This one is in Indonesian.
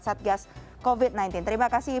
satgas covid sembilan belas terima kasih